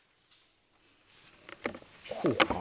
こうか？